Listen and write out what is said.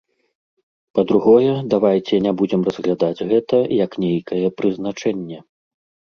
Па-другое, давайце не будзем разглядаць гэта як нейкае прызначэнне.